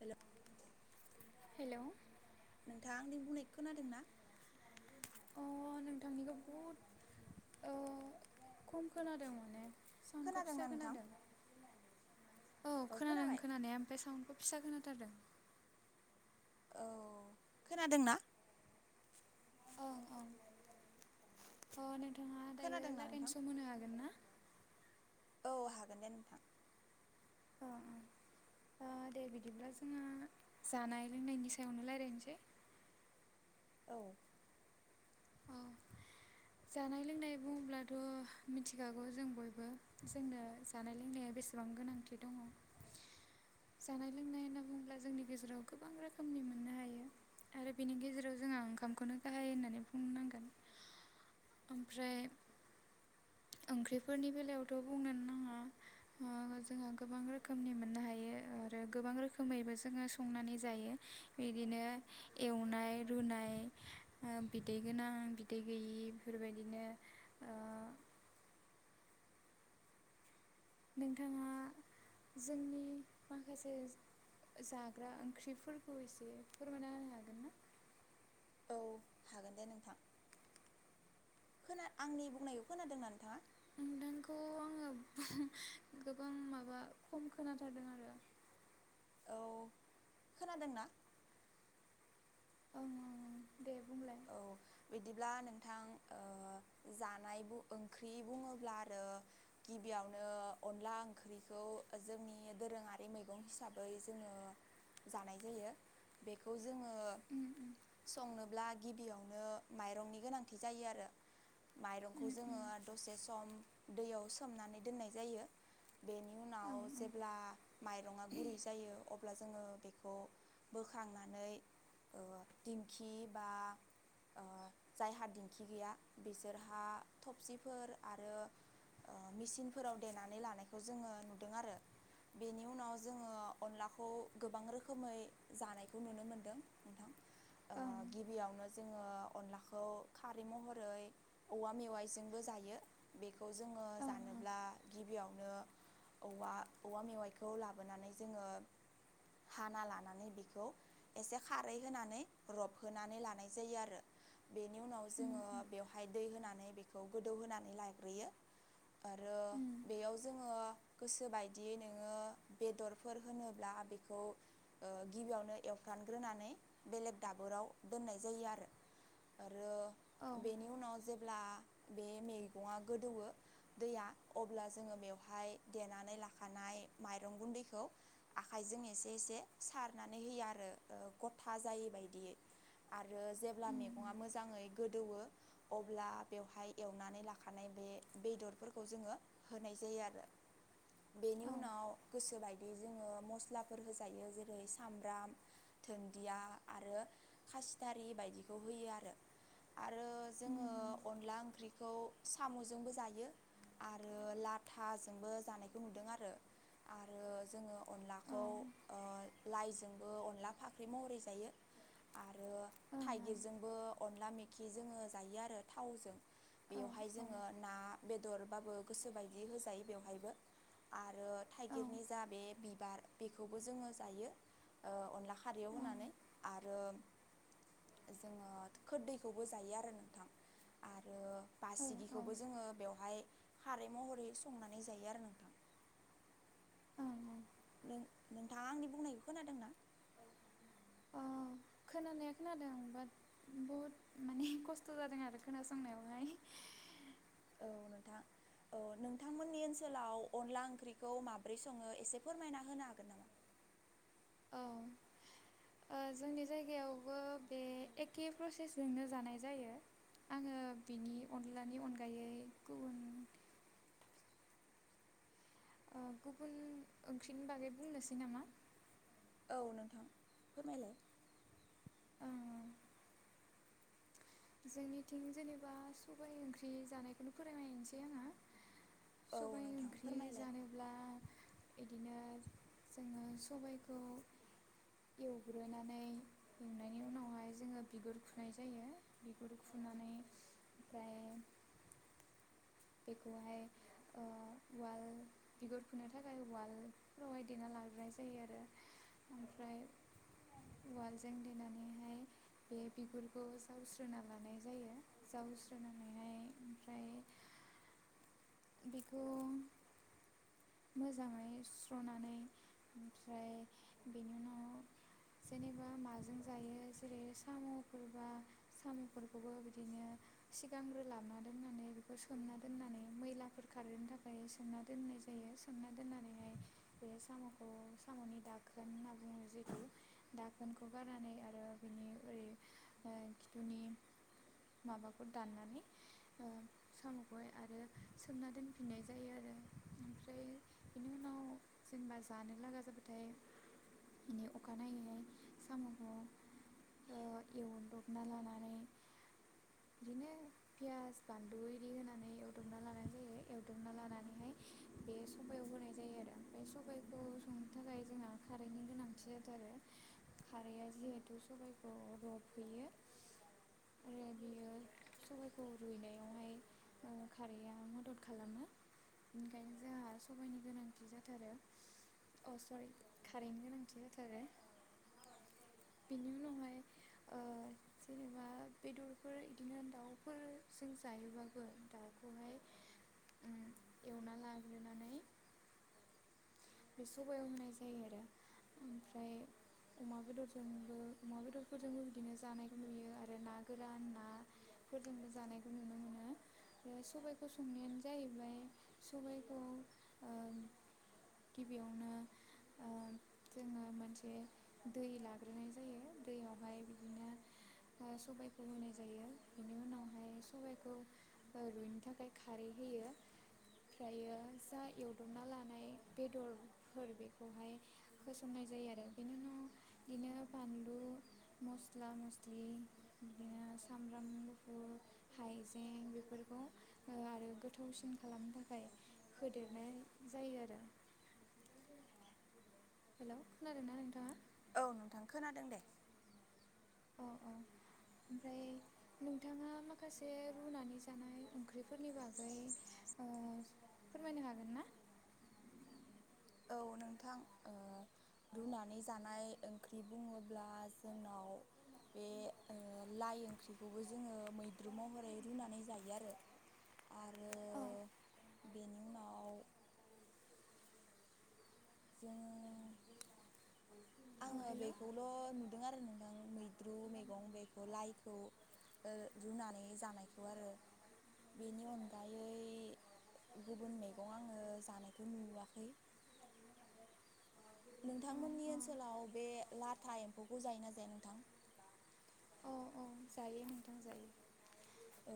Hello hello नोंथाङा आंनि बुंनाय खोनादों ना अ नोंथांनिखौ बहुद ओ खम खोनादों माने सउनखौ फिसा खोनादोंना नोंथां? खोनादों औ खोनादों खोनानाया ओमफाय साउनखौ फिसा खोनाथारदों औ खोनादोंना ओं-ओं ओ नोंथा थांङा दायो खोनादोंना नोंथां? रायलायनो सम होनो हागोन ना औ हागोन दे नोंथां अह-अह-अह दे बिदिब्ला जोंहा जानाय लोंनायनि सायावनो रायलायनोसै औ औ जानाय लोंनाय बुंब्लाथ' मिथिखागौ जों बयबो जोंनो जानाय लोंनाया बेसेबां गोनांथि दङ जानाय लोंनाय होनना बुङोब्ला जोंनि गेजेराव गोबां रोखोमनि मोननो हायो आरो बेनि गेजेराव जोंहा ओंखामखौनो गाहाय होननानै बु बुंनांगोन ओमफ्राय ओंख्रिफोरनि बेलायावथ' बुंनोनो नाङा जोंहा गोबां रोखोमनि मोननो हायो आरो गोबां रोखोमैबो जोङो संनानै जायो बिदिनो एवनाय रुनाय बिदै गोनां बिदै गैयि बेफोरबायदिनो ओ नोंथाङा जोंनि माखासे जाग्रा ओंख्रिफोरखौ एसे फोरमायना होनो हागोन ना औ हागोन दे नोंथां खोना आंनि बुंनायखौ खोनादोंना नोंथाङा दांखौ आङो गोबां माबा खम खोनाथारदों आरो औ खोनादोंना ओं दे बुंलाय औ बिदिब्ला नोंथां ओ जानाय ओंख्रि बुङोब्ला आरो गिबियावनो अनला ओंख्रिखौ जोंनि दोरोङारि मैगं हिसाबै जोङो जानाय जायो बेखौ जोंङो उम उम संनो ब्ला गिबियावनो माइरंनि गोनांथि जायो आरो माइरंखौ जोङो उम दसे सम दैयाव सोमनानै दोननाय जायो बेनि उनाव उम जेब्ला माइरंङा गुरै जायो अब्ला जोङो बेखौ बोखांनानै ओ दिंखि बा ओ जायहा दिंखि गैया बिसोरहा थबसिफोर आरो मेचिनफोराव देनानै लानायखौ जोङो नुदों आरो बेनि उनाव जोङो अनलाखौ गोबां रोखोमै जानायखौ नुनो मोनदों नोंथां ओ ओं ओं गिबियावनो जोङो अनलाखौ खारै महरै औवा मेवाइजोंबो जायो बेखो खौ जोंङो ओं जानोब्ला गिबियावनो औवा-औवा मेवाइखौ लाबोनानै जोङो हाना लानानै बेखौ एसे खारै होनानै रबहोनानै लानाय जायो आरो बेनि उनाव ओं उम जोङो बेवहाय दै होनानै बे बेखौ गोदौ होनानै लाग्रोयो आरो उम बेयाव जोङो गोसो बायदियै नोङो बेदरफोर होनोब्ला बेखौ ओ गिबियावनो एवफ्रानग्रोनानै बेलेग दाबोराव दोननाय जायो आरो आरो बेनि उनाव जे ब्ला बे मैगंआ गोदौवयो दैया अब्ला जोङो बेवहाय देनानै लाखानाय माइरं गुन्दैखौ आखाइजों एसे-एसे सारनानै होयो आरो गथा जायै बायदियै आरो जेब्ला मैगङा उम मोजाङै गोदौवो अब्ला बेवहाय एवनानै लाखानाय बे बेदरफोरखौ जोङो होनाय जायो आरो बेनि औ उनाव गोसोबाय जोङो मस्लाफोर होजायो जेरै सामब्राम दुन्दिया आरो खासिदारि बायदिखौ होयो आरो। आरो उम उम औ उम जोङो उम अनला ओंख्रिखौ साम'जोंबो जायो आरो लाथाजोंबो जानायखौ नुदों आरो आरो जोङो अनलाखौ ओ लाइजोंबो अनला फाख्रि महरै जायो। आरो थाइगिरजोंबो अनला मेखि जोङो जायो आरो थावजों औ ओं औ ओं बेवहाय जोङो ना बेदर। बाबो गोसोबायदि होजायो बेवहायबो आरो आरो थाइगिरनि जा बे बा बेखौबो जोङो जायो ओ अनला खारैयाव होनानै औ आरो जोङो खोदैखौबो जायो आरो नोंथां आरो औ ओं बासिगिखौबो जोङो बेवहाय खारै महरै संनानै जायो आरो नोंथां। ओं नों नोंथाङा आंनि बुंनायखौ खोनादोंना? ओं खोनानाया खोनादों आं बाट बहुद माने खस्थ' जादों आरो खोनासंनायावहाय। औ नोंथां औ नोंथांमोननि ओनसोलाव अनला ओंख्रिखौ माब्रै सङो एसे फोरमायना होनो हागोन नामा? औ औ जोंनि जायगायावबो बे एखे प्रसेसजोंनो जानाय जायो आङो बिनि अनलानि अनगायै गुबुन। औ गुबुन ओंख्रिनि बागै बुंनोसै नामा। औ नोंथां फोरमायलाय? ओ जोंनिथिं जेनेबा सबायाइ ओंख्रि जानायखौनो फोरोंनायनोसै आङो। औ सबाय नोंथां ओंख्रि फोरमायलाय जानोब्ला बिदिनो जोङो सबायखौ एवग्रोनानै एवनायनि उनावहाय जोङो बिगुर खुनाय जायो। बेखौ फुनानै ओमफ्राय। बेखौहाय ओ उआल बिगुर फुनो थाखाय उआलफ्रावहाय देना लाग्राय जायो आरो ओमफ्राय उालजों देनानैहाय बे बिगुरखौ जावस्रोना लानाय जायो जावस्रोनानैहाय ओमफ्राय बिगु मोजाङै स्र'नानै ओमफ्राय बेनि उनाव जेनेबा माजों जायो जेरै साम'फोरबा साम'फोरखौबो बिदिनो सिगांग्रोलाबोनना दोननानै बेखौ सोमना दोननानै मैलाफोर खारहोनो थाखाय सोमना दोननाय जायो। सोमना दोननानैहाय बे साम'खौ साम'नि दाखोन होनना बुङो जिहेथु दाखोनखौ गारनानै आरो बिनि ओरै खिथुनि माबाखौ दाननानै ओ साम'खौहाय आरो सोमना दोनफिननाय जायो आरो। ओमफ्राय बेनि उनाव जेनेबा जानो लागा जाबाथाय बिनि अखानायनायैै साम'खौ ओ एवदबना लानानै बिदिनो पियास बानलु इदि होनानै एवदबना लानाय जायो एवदबना लानानैहाय बे सबयाव होनाय जायो आरो ओमफ्राय सबाइखौ संनो थाखाय जोंना खारैनि गोनांथि जादों आरो खारैआ जिहेथु सबायाइखौ रबहैयो आरो बियो सबायखौ रुइनायावहाय ओ खारैआ मदद खालामो। बेनिखायनो जोंहा सबाइनि गोनांथि जाथारो अ सरि खारैनि गोनांथि जाथारो बेनि उनावहाय ओ जेनेबा बेदरफोर बिदिनो दाउफोरजों जायोबाबो दाउखौहाय एवना लाग्रोनानै बे सबयाव होनाय जायो आरो ओमफ्राय अमा बेदरजोंबो अमा बेदरफोरजोंबो बिदिनो जानायखौ नुयो आरो ना गोरान नाफोरजोंबो जानायखौ नुनो मोनो सबायाइखौ संनायानो जाहैबाय सबायखौ ओ गिबियावनो ओ जोङो मोनसे दै लाग्रोनाय जायो दैयावहाय बिदिनो सबायखौ होनाय जायो बेनि उनावहाय सबायाइखौ रुइनो थाखाय खारै होयो ओमफ्रायो जा एवदबना लानाय बेदरफोर बेखौहाय होसननाय जायो आरो बेनि उनाव बिदिनो बानलु मस्ला मस्लि बिदिनो सामब्राम गुफुर हाइजें बेफोरखौ आरो गोथावसिन खालामनो थाखाय होदेरनाय जायो आरो। हेल' खोनादोंना नोंथाङा? औ नोंथां खोनादों दे। अ औ ओमफ्राय नोंथाङा माखासे रुनानै जानाय ओंख्रिफोरनि बागै ओ फोरमायनो हागोन ना? औ नोंथां ओ रुनानै जानाय ओंख्रि बुङोब्ला जोंनाव बे लाइ ओंख्रिखौबो जोङो मैद्रु महरै रुनानै जायो आरो आरो औ बेनि उनाव। जोङो औ आङो हेलौ बेखौल' नुदों आरो नोंथां मैद्रु मैगं बेखौ ओ लाइखौ रुनानै जानायखौ आरो बेनि अनगायै गुबुन मैगं आङो जानायखौ नुवाखै। औ नोंथांमोननि औ ओनसोलाव बे लाथा एम्फौखौ जायोना जाया नोंथां? औ औ जायो नोंथां जायो। औ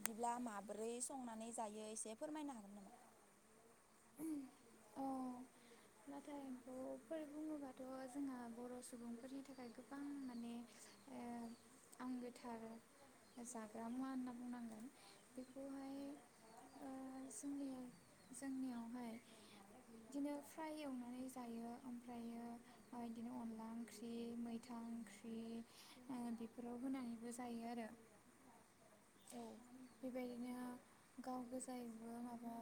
बिदिब्ला माबोरै संनानै जायो एसे फोरमायनो हागोन नामा? औ लाथा एम्फौफोर बुङोबाथ' जोंहा बर' सुबुंफोरनि थाखाय गोबां माने ओ आंगोथार जाग्रा मुवा होनना बुंनांगोन बेखौहाय ओ जोंनि जोंनियावहाय बिदिनो फ्राय एवनानै जायो ओमफ्रायो ओ बिदिनो अनला ओंख्रि मैथा ओंख्रि ओ- बेफोराव होनानैबो जायो आरो। बेबाय दिनो गाव गोजायबो माबा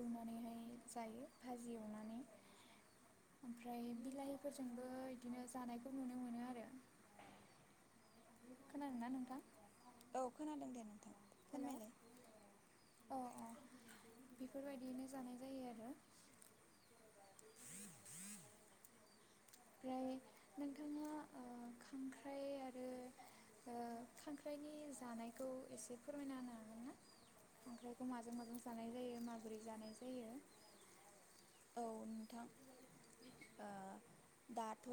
एवनानैहाय जायो भाजि एवनानै। ओमफ्राय बिलाहिफोरजोंबो बिदिनो जानायखौ नुनो मोनो आरो। खोनादों ना नोंथां? औ खोनादों दे नोंथां। हेलौ फोरमायलाय। अ अ बेफोरबायदियैनो जानाय जायो आरो। ओमफ्राय नोंथाङा ओ- खांख्राइ आरो ओ- खांख्राइनि जानायखौ एसे फोरमायना होनो हागोना? खांख्राइखौ माजों माजों जानाय जायो माबोरै जानाय जायो? औ नोंथां ओ-दाथ'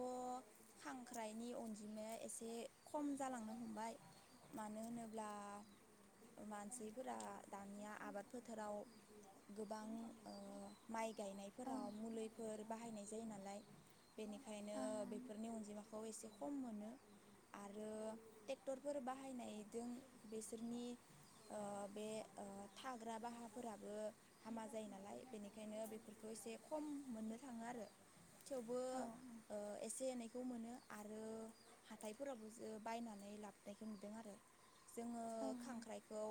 खांख्राइनि अनजिमाया एसे खम जालांनो हमबाय मानो होनोब्ला मानसिफोरा दानिया आबाद फोथाराव गोबां ओ- माइ गायनाय। ओं फोराव मुलिफोर बाहायनाय जायो नालाय बेनिखायनो ओं बेफोरनि अनजिमाखौ एसे खम मोनो आरो ट्रेक्टरफोर बाहायनायजों बेसोरनि ओ- बे ओ-थाग्रा बाहाफोराबो हामा जायो नालाय बेनिखायनो बेफोरखौ। एसे खम मोननो थाङो आरो। थेवबो ओं ओ- एसे एनै। खौ मोनो आरो हाथायफोरावो जो बायनानै लाबोनायखौ नुदों आरो। जोङो औ ओं खांख्राइखौ।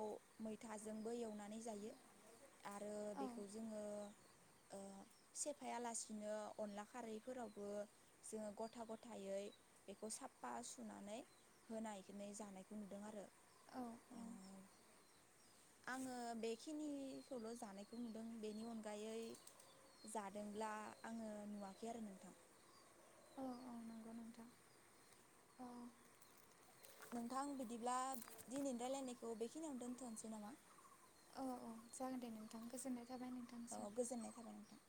मैथाजोंबो एवनानै जायो। आरो ओं औ बेखौ जोङो। ओ-सेफायालासिनो अनला खारैफोरावबो जोङो गथा गथायै बेखौ साफा सुनानै होनायै जानायखौ नुदों आरो। औ औ ओ आङो बेखिनिखौल' जानायखौ नुदों बेनि अनगायै जादोंब्ला आङो नुवाखै आरो नोंथां। औ औ नंगौ नों नोंथां बिदिब्ला दिनै रायलायनायखौ बेखिनियावनो दोन्थ'नोसै नामा? औ औ जागोन दे नोंथां गोजोननाय। थाबाय औ गोजोननाय थाबाय नोंथां।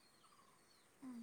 उम